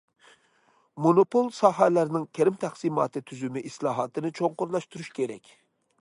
مونوپول ساھەلەرنىڭ كىرىم تەقسىماتى تۈزۈمى ئىسلاھاتىنى چوڭقۇرلاشتۇرۇش كېرەك.